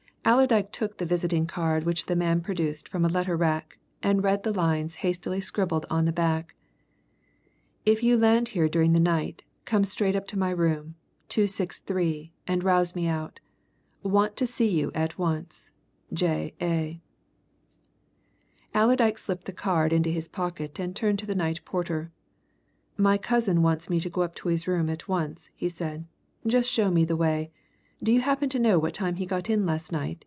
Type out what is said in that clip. Allerdyke took the visiting card which the man produced from a letter rack, and read the lines hastily scribbled on the back If you land here during the night, come straight up to my room 263 and rouse me out. Want to see you at once. J.A. Allerdyke slipped the card into his pocket and turned to the night porter. "My cousin wants me to go up to his room at once," he said. "Just show me the way. Do you happen to know what time he got in last night?"